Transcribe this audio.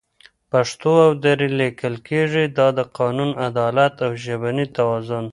پښتو او دري لیکل کېږي، دا د قانون، عدالت او ژبني توازن